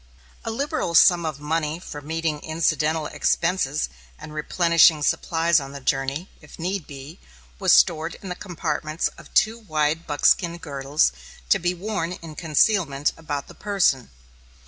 A liberal sum of money for meeting incidental expenses and replenishing supplies on the journey, if need be, was stored in the compartments of two wide buckskin girdles, to be worn in concealment about the person.